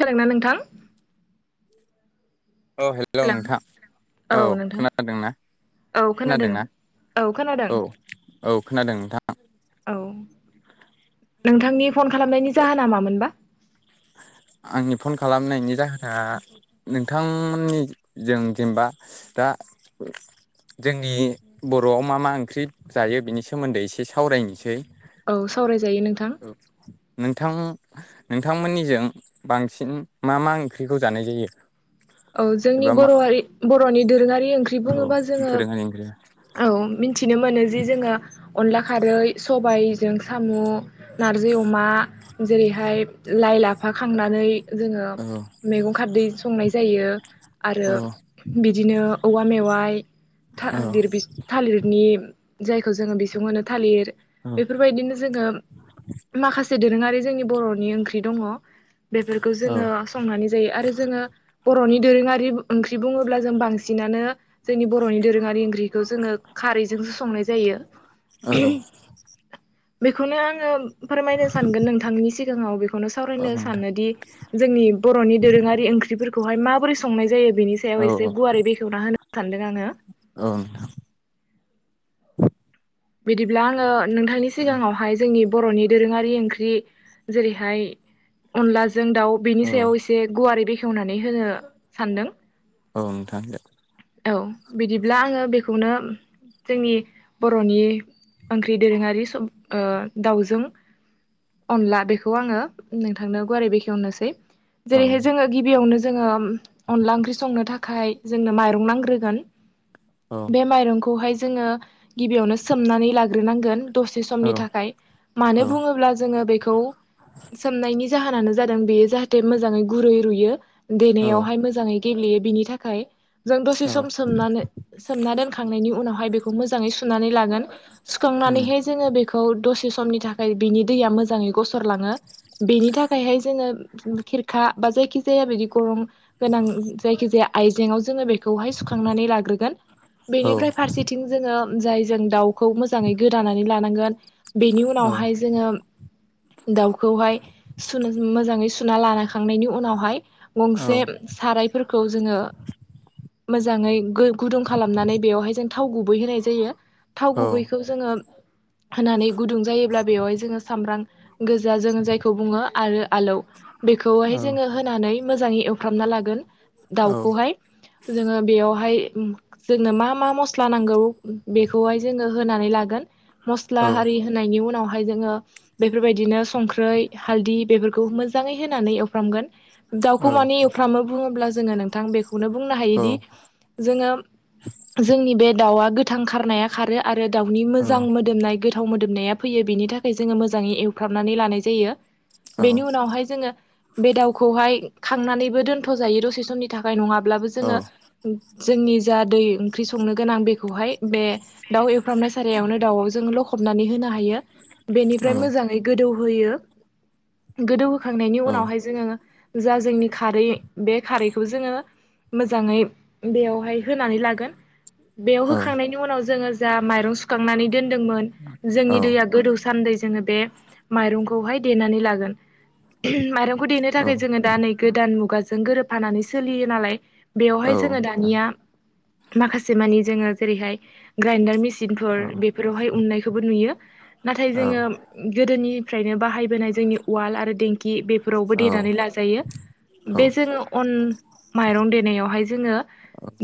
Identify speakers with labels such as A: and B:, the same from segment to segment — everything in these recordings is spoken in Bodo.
A: खोनादों ना नोंथां?
B: औ हेल'
A: हेलौ
B: नोंथां। औ खोनादोंना
A: औ खोनादों
B: खोनादोंना? औ। औ खोनादों नोंथां।
A: औ नोंथांनि फन खालामनायनि जाहोना मामोनबा?
B: आंनि फन खालामनायनि जाहोना नोंथांमोननिजों जेनेबा दा। [unintelligible] जोंनि बर'आव मा मा ओंख्रि जायो बेनि सोमोन्दै एसे सावरायनोसै।
A: औ सावराय
B: औ नोंथां नोंथांमोननिजों बांसिन मा मा ओंख्रिखौ जानाय जायो?
A: औ जोंनि
B: एबा मा
A: बर' हारि बर'नि दोरोङारि ओंख्रि
B: औ
A: बुङोबा जोङो।
B: दोरोङारि ओंख्रिया
A: औ मिथिनो मोनो जे जोङो अनला खारै सबायजों सा मु नारजि अमा जेरैहाय लाइ लाफा खांनानै। जोङो
B: औ
A: मैगं खारदै संनाय। जायो आरो
B: औ
A: बिदिनो औवा मेवाइ। था-लिर-बि-थालिरनि जायखौ जोङो बिसुंनो थालिर
B: औ
A: बेफोरबायदिनो जोङो माखा से दोरोङारि जोंनि बर'नि ओंख्रि दङ बेफोरखौ जोङो संनानै जायो आरो जोङो। बर'नि दोरोङारि ओंख्रि बुङोब्ला जों बांसिनानो जोंनि बर'नि दोरोङारि ओंख्रिखौ जोङो खारैजोंसो संनाय जायो।
B: औ
A: [unintelligible]
B: [unintelligible]
A: बेखौनो आङो फोरमायनो सानगोन नोंथांनि सिगाङाव बे खौनो
B: औ
A: सावरायनो
B: नोंथां
A: सानोदि जोंनि बर'नि दोरोङारि ओंख्रिफोरखौहाय माबोरै संनाय जायो। बिनि सायाव
B: औ
A: एसे
B: औ
A: गुवारै बेखेवना होनो सानदों आङो।
B: औ नोंथां
A: बिदिब्ला आङो नोंथांनि सिगाङावहाय जोंनि बर'नि। दोरोङारि ओंख्रि जेरैहाय अनलाजों दाउ बेनि
B: औ
A: सायाव एसे गुवारै बेखे वनानै होनो सानदों
B: औ नोंथां
A: औ बिदिब्ला आङो बेखौनो। जोंनि बर'नि ओंख्रि दोरोङारि ओ- दाउजों। अनला बेखौ आङो नोंथांनो गुवारै बेखेवनोसै।
B: औ
A: जेरैहाय जोङो गिबियावनो जोङो अनला ओंख्रि संनो थाखाय जोंनो। माइं नांग्रोगोन बे माइंखौहाय जोंङो। गिबियावनो सोमनानै लाग्रोनांगोन दसे
B: औ
A: समनि
B: औ
A: थाखाय
B: औ उम औ
A: मानो बुंङोब्ला जोंङो बेखौ। सोमनायनि जाहोनानो, जादों बेयो जाहाथे मोजांङै गुरै रुइयो देनायावहाय मोजांङै गेलेयो बिनि थाखाय। जों दसे सम सोमनानै सोमना दोनखांनायनि उनावहाय बेखौ मोजांङै सुनानै लागोन सुखांनानै। सुखांनानै जों बेख बे खौ दसे समनि थाखाय बिनि दैया मोजाङै गसरलांङो बेनि थाखायहाय जोंङो। खिरखा बा जायखिजाया बिदि गरं गोनां जायखि जाया आइजेंआव जोंङो बे। खौहाय सुखांनानै लाग्रोगोन बेनिफ्राय फारसेथिं जोंङो। जाय जों दाउखौ मोजांङै गोदानानै लानांगोन बेनि उनावहाय जोंङो। दाउखौहाय सुनो मोजांङै सुना लानखांनायनि उनावहाय। गंसे सारायफोरखौ जोंङो मोजांङै। गुदुं खालामनानै बेवहाय जों थाव गुबै होनाय जायो थाव गुबैखौ जोंङो। होननानै गुदुं जायोब्ला बेवहाय जोंङो सामब्राम गोजा जोंङो जायखौ बुंङो आरो आलौ बेखौहाय जोंङो होनानै मोजाङै एवफ्रामना लागोन दाउखौहाय जोङो बेयावहाय जोंनो मा मा मस्ला नांगौ बेखौहाय जोंङो होनानै लागोन मस्ला आरि होनायनि उनाव बेहाय जोंङो बेफोरबायदिनो संख्रै, हालदै बेफोरखौ मोजांङै होनानै एवफ्रामगोन दाउखौ मानि एवफ्रामो बुंङोब्ला जोंङो नोंथां बेखौनो बुंनो हायो जोंङो जोंनि बे दाउआ गोथां खारनाया खारो आरो आरो दाउनि मोजां मोदोमनाय गोदान थाव मोदोमनाया फैयो बिनि थाखाय जोंङो मोजाङै एवफ्राबनानै लानाय जायो बेनि उनावहाय जोंङो बे दाउखौहाय खांनानैबो दोन्थ' जायो दसे समनि थाखाय नंङाब्ला अब्लाबो जोंङो जोंनि जा दै ओंखि संनो गोनां बेखौहाय बे दाउ एवफ्रामनाय साराय यावनो दाउवाव जों ल होनो हायो बेनिफ्राय मोजांयै गोदोव होनो होयो गोदौव होखांनायनि उनावहाय जोंङो जा जोंनि खारै बे खारैखौ जोंङो मोजांङै बेवहाय होनानै लागोन बेयाव होखांनायनि उनाव जोंङो जा माइरं सुखांनानै दोनदोंमोन जोंनि दै आ गोदौव सानदि बे माररंखौ देनानै लागोन माइरंखौ देनो
B: औ
A: थाखाय जोंङो दा नै गोदान मुगानि जों गोरोबफानानै सोलियो नालाय बेवहाय
B: औ
A: दानिया माखासे मानि जोङो जेरैहाय ग्रेनदार मेसिन जेरै मेचनफोर बेफोरावहाय उननायखौबो नुयो नाथाय जोंङो गोदोनिफ्रायनो बाहायबोनाय जोंनि उवाल आरो देंखि बेफोरावबो देनानै लाजायो बे जोंङो अन माइरं देनायावहाय जोंङो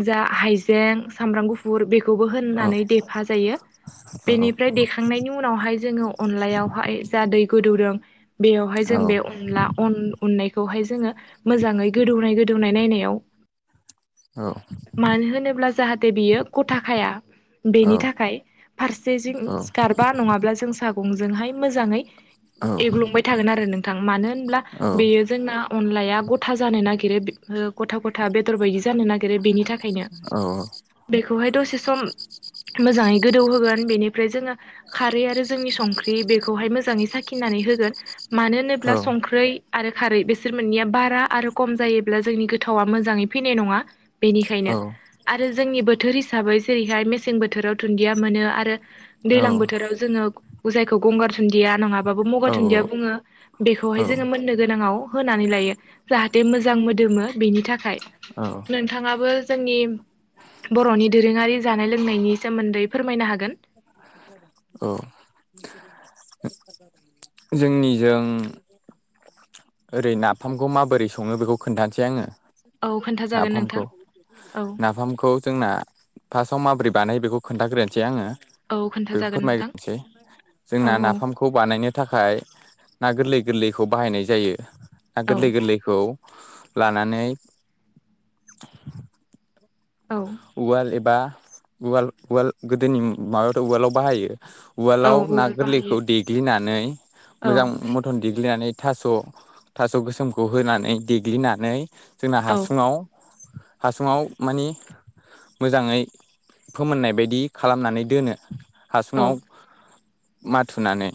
A: जा हाइजें, सामब्राम गुफुर बेखौबो होननानै देफा जायो बेनिफ्राय देखांनायनि उनावहाय जोंङो अनलायावहाय जा दै गोदौदों बेयावहाय जों बे अनलान अननायखौहाय जोंङो मोजांङै गोदौनाय- गोदौनाय नायनायाव मानो होनोब्ला जाहाथे बियो गथाखाया बेनि थाखाय फारसेथिं गारबा नंङाब्ला जों सागंजोंहाय मोजांङै एग्लुंबाय थागोन आरो नोंथां मानो होनब्ला बेयो जोंना अनलाया गथा जानो नागि गथा -गथा बे बादि जानो नागिरो बेनि थाखायनो बेखौहाय दसे सम मोजांङै गोदौ होगोन बेनिफ्राय जोंङो खारै आरो जोंनि संख्रि बेखौहाय मोजांङै साखिनानै होगोन मानो होनोब्ला संख्रि यै आरो खारै बेसोर मोननैया बारा आरो खम जायोब्ला जोंनि गोथावा मोजांङै फैनाय नंङा बेनिखायनो आरो जोंनि बोथोर हिसाबै जेरैहाय मेसें बोथोराव दुन्दिया मोनो आरो दैलां बोथोराव जोंङो जायखौ गंगार सुदिया नंङाबा मरु धुनदिआ बुंङो बेखौ हायो जों‌ मोननो गोनां आव होना लायो जाहाथे मोजां मोजां मोदोमो बेनि थाखाय नोंथांङाबो जोंनि बर'नि दोरोंङारि जानाय लोंनायनि सोमोन्दै फोरमायनो हागोन
B: जोंनिजों ओरै नाफामखौ माबोरै संङो बेखौ खोन्थानोासै आंङो
A: औ खोन्थाजागोन नोंथां
B: नाफामखौ
A: औ
B: -नाफामखौ जोंना फार्टआव माबोर्रै बानाय बेखौ खोन्थाग्रोनोसै आंङो
A: औ
B: बेखौ
A: खोन्थाजागोन नोंथां
B: फोरमायग्रोनोसै
A: औ
B: जोंना नाफामखौ बानायनो थाखाय ना गोरलै गोरलैखौ बाहायनाय जायो ना
A: औ
B: गोरलै -गोरलैखौ लानानै
A: औ
B: उवाल एबा उवाल -उवाल गोदोनि माबायावाथ' उवालाव बाहायो
A: औ
B: उवालाव ना
A: उवाल बाहायो
B: गोरलैखौ देग्लिनानै मोजां
A: औ
B: मथन देग्लिनानै थास' थास' गोसोमखौ होनानै देग्लिनानै जोंना
A: औ
B: हासुङाव हासुुंयाव मानि मोजांङै फोमोननाय बायदि खालामनानै दोनो
A: औ
B: हासुंङाव माथुनानै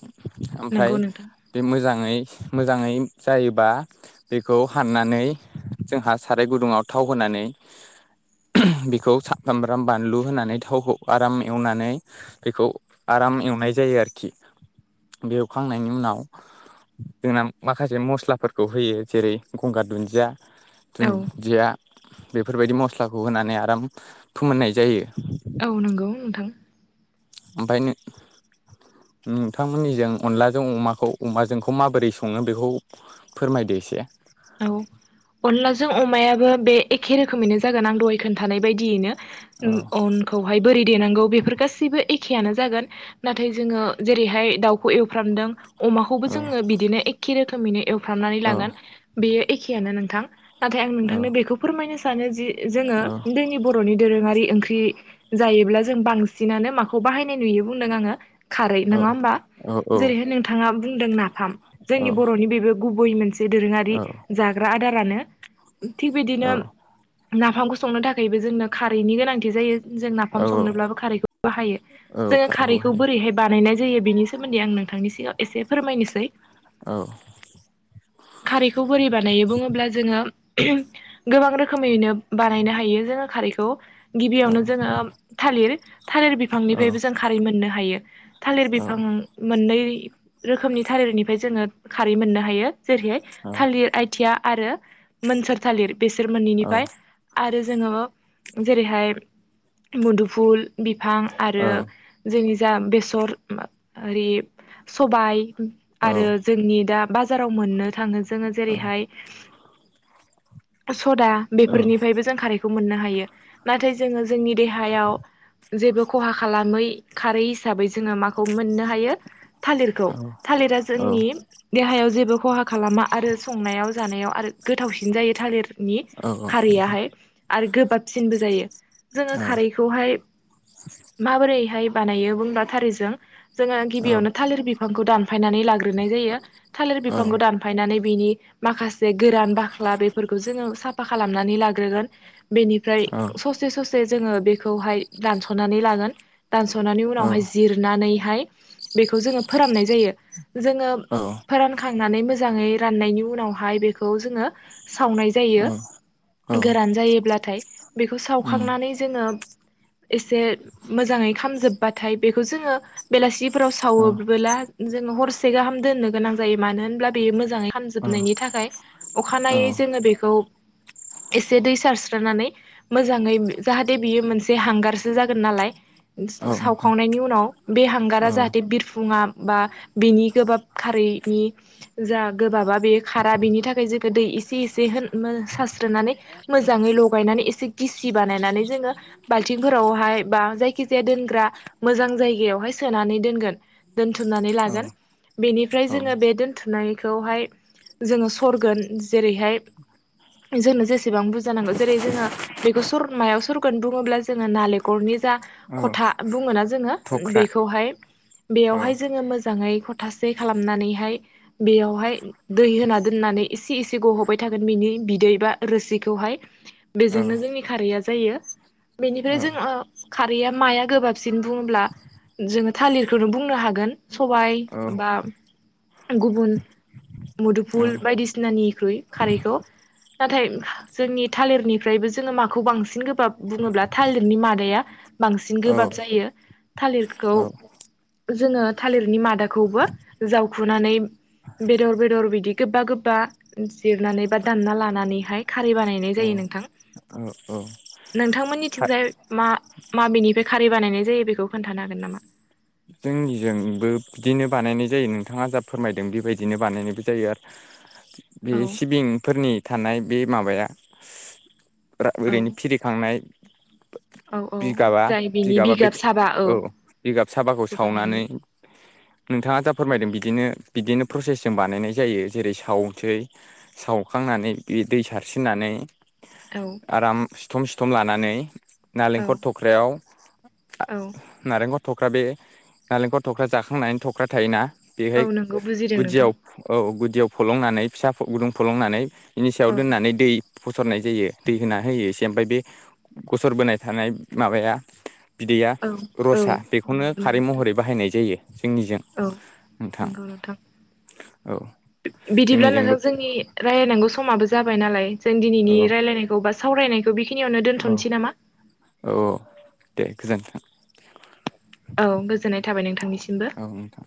B: ओमफ्राय
A: नंगौ नोंथां
B: बे मोजां मोजांङै मोजांङै जायोबा बेखौ हाननानै जोंहा साराय गुदुंङाव थाव होनानै बेखौ सामब्राम बानलु होनानै थावखौ आराम एवनानै बेखौ आराम एवनाय जायो। आरोखि बेवखांनायनि उनाव जोंना माखासे मस्लाफोरखौ होयो जेरै गंगार दुन्दिया
A: औ
B: दुन्दिया बेफोरबायदि मस्लाखौ होनानै आराम फोमोननाय जायो।
A: औ नंगौ नोंथां
B: ओमफ्राय नों नोंथांमोननिजों अनलाजों अमाखौ अमाजोंखौ माबोरै संङो बेखौ फोरमायदो एसे
A: औ अनलाजों अमायाबो बे एखे रोखोमैनो जागोन आं दहाय खोन्थानाय बायदियैनो
B: औ
A: अनखौहाय बोरै देनांगौ बेफोर गाैबो एखेयानो जागोन नाथाय जोङो जेरैहाय दाउखौ एवफ्रामदों अमाखौबो
B: औ
A: जोंङो बिदिनो एखे रोखोमैनो एवफ्रामनानै
B: औ
A: लागोन बेयो एखेयानो नोंथां नाथाय आं
B: औ
A: नोंथांनो बेखौ फोरमायनो सानो जि जोंङो जोंनि बर'नि दोरोंङारि ओंख्रि जायोब्ला जों बांसिनानो माखौ बाहायनाय नुयो बुंदों आङो खारै नङा होमबा जेरैहाय नोंथांङा बुंदों नाफाम जोंनि
B: औ
A: बर'नि बेबो गुबै मोनसे दोरोंङारि जाग्रा आदारानो थिग
B: औ
A: बिदिनो नाफामखौ संनो थाखायबो जोंनो खारै गोनांथि
B: औ
A: जोंनो खारै जायो खारैखौ बाहायो
B: औ
A: जों खारैखौ
B: बाहायो
A: बोरैहाय बानाय जायो। जायो बेनि सोमोन्दै आं नोंथांनि सिगांङाव एसे फोरमायनोसै
B: औ
A: खारैखौ खौ बोरि बानायो बुंङोब्ला जोंङो गोबां रोखोमैनो बानायनो हायो जोङो खारैखौ
B: औ
A: गिबियावनो जोंङो थालिर थालिर
B: औ
A: बिफांनिफ्रायबो जों खारै मोननो हायो थालिर
B: औ
A: बिफां मोननै रोखोमनि थालिरनिफ्राय जोंङो खारै मोननो हायो जेरैहाय
B: औ
A: थालिर आइथिया आरो मोनसोर थालिर बेसोर
B: औ औ
A: मोननैनिफ्राय आरो ज जेरैहाय मुदुफुल बिफां आरो
B: औ
A: जा बेसर ओरि सबाय
B: औ
A: आरो जोंनि दा बाजाराव मोननो थांङो जोऔङो जेरैहाय सदा बेफोरनिफ्रायबो जों खारैखौ मोननो हायो नाथाय जोंङो जोंनि देहायाव जेबो खहा खालामै खारै हिसाबै जोंङो माखौ मोननो हायो थालिरखौ
B: औ
A: थालिरा
B: औ
A: जोंनि देहायाव जेबो खहा खालामा आरो संनायाव जानायाव आरो गोथावसिन जायो थालिरनि
B: औ
A: खारैआहाय आरो गोबाबसिनबो जायो जोङो
B: उम औ
A: खारैखौहाय माबोरैहाय बानायो बुंब्ला थारै जों जोङो गिबियावनो थालिर बिफांखौ दानफायनानै लाग्रोनाय जायो थालिर बिफांखौ दान नानै बिनि माखासे गोरान बाख्ला बेफोरखौ जोङो साफा खालामनानै लाग्रोगोन बेनिफ्राय ससे ससे जोङो बेखौहाय दानस'नानै लागोन दानस'नानै उनावहाय जिरनानैहाय बेखौ जोङो फोराननाय जायो जोङो फोरानखांनानै मोजाङै राननायनि उनावहाय बेखौ जोङो सावनाय जायो गोरान जायोब्लाथाय बेखौ सावखांनानै जोङो एसे मोजाङै खामजोबबाथाय बेखौ जोङो बेलासि फोराव सावोबोला जोङो हरसे गाहाम दोननो गोनां जायो मानो होनब्ला बेयो मोजाङै
B: औ
A: खामजोबनायनि थाखाय
B: औ
A: अखानायै जोङो बेखौ
B: [inaudible]
A: एसे दै सारस्रोनानै मोजाङै जाहाथे बियो मोनसे हांगारसो जागोन नालाय
B: औ नोंथां
A: सावखांनायनि उनाव बे
B: औ
A: हांगारा जाहाथे बिरफुङा बा बेनि गोबाब खारै बेनि जा गोबाबा बेयो खारा बेनि थाखाय जेखौ दै एसे एसे होन सारास्रोनानै मोजाङै लगायनानै एसे गिसि बानायनानै जोङो बाल्थिंफोराव हाय बा जायखि जाया दोनग्रा मोजां जायगाआव हाय सोनानै दोनगोन दोन्थुमनानै
B: औ
A: लागोन बेनिफ्राय
B: औ
A: जोङो बे दोन्थुनायखौहाय जोङो सरगोन जेरैहाय जोंनो जेसेबां बुरजानांगौ जेरै जोङो बेखौ सरनायाव सरगोन बुङोब्ला जोङो नालेंखरनि जा
B: औ
A: खथा बुङोना जोङो
B: थख्रा
A: बेखौहाय
B: औ
A: बेयावहाय जोङो मोजाङै खथासे खालामनानैहाय बेयावहाय दै होना दोननानै एसे एसे गहोबाय थागोन बिनि बिदै बा रोसिखौहाय
B: औ
A: बेजोंनो जोंनि खारैया जायो।
B: औ
A: बेनिफ्राय जोङो खारैया माया गोबाबसिन बुङोब्ला जोङो थालिरखौनो बुंनो हागोन सबाय
B: औ
A: बा गुबुन मुदुफुल
B: औ
A: बायदिसिनानिख्रुइ खारैखौ नाथाय जोंनि थालिरनिफ्रायबो जोङो माखौ बांसिन गोबाब बुङोब्ला थालिरनि मादाया बांसिन गोबाब
B: औ
A: जायो थालिरखौ जोङो थालिरनि मादाखौबो जावखुनानै बेदर बेदर बिदि गोबा गोबा जिरनानै बा दामना लानानैहाय खारै बानायनाय जायो नोंथां
B: औ औ खा
A: नोंथांमोननिथिंजाय मा माबेनिफ्राय खारै बानायनाय जायो बेखौ खोन्थानो हागोन नामा
B: जोंनिजोंबो बिदिनो बानायनाय जायो नोंथाङा जा फोरमायदों बेबायदिनो बानायनायबो जायो आरो बे
A: औ
B: सिबिंफोरनि थानाय बे माबाया
A: औ
B: ओरैनो फिरिखांनाय
A: औ औ
B: बिगाबा
A: जाय बिनि
B: बिगाबा
A: बिगाब
B: बेखौ
A: साबा
B: औ बिगाब साबाखौ सावनानै
A: बानायनाय
B: नोंथाङा दा फोरमायदों बिदिनो बिदिनो प्रसेसजों बानायनाय जायो जेरै सावनोसै सावखां नानै बे दै सारसिनानै
A: औ
B: आराम सिथम सिथम लानानै
A: औ
B: नालेंखर थख्रायाव
A: औ
B: नालेंखर थख्रा बे नालेंखर थख्रा जाखांनानै थख्रा थायोना
A: औ
B: बेहाय
A: नंगौ बुजिदों नोंथां
B: गुदियाव औ गुदियाव फलंनानै फिसा गुदुं फलंनानै बेनि सायाव
A: औ
B: दोननानै दै फसरनाय जायो दै होना होयो एसे ओमफ्राय बे गसर बोनाय थानाय माबाया बिदैया
A: औ औ
B: रसा बेखौनो
A: नंगौ
B: खारै
A: नोंथां
B: महरै बाहायनाय जायो जोंनिजों
A: औ
B: नोंथां औ
A: बिदिब्ला
B: जोंनिजोंबो
A: नोंथां जोंनि रायजलायनांगौ समाबो जाबाय नालाय जों
B: औ
A: दिनैनि रायज्लायनायखौ बा सावरायनायखौ बेखिनियावनो
B: औ
A: दोन्थ'नोसै नामा?
B: औ औ दे गोजोनथों
A: औ गोजोननाय थाबाय नोंथांनिसिम
B: औ नोंथां